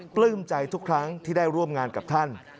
ปลื้มใจทุกครั้งที่ได้ร่วมงานกับท่าน